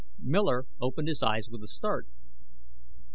Miller opened his eyes with a start.